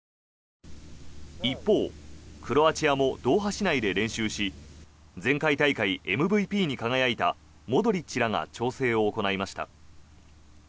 一方、クロアチアもドーハ市内で練習し前回大会ＭＶＰに輝いたモドリッチらが調整を行いました。